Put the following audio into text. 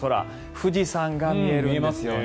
富士山が見えるんですよね。